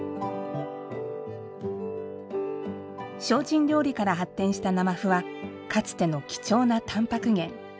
精進料理から発展した生麩はかつての貴重なたんぱく源。